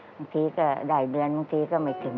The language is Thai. บางทีก็ได้เดือนบางทีก็ไม่ถึง